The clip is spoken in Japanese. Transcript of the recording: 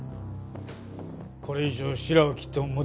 これ以上しらを切っても無駄だぞ。